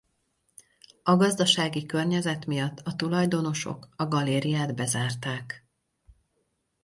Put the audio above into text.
A gazdasági környezet miatt a tulajdonosok a Galériát bezárták.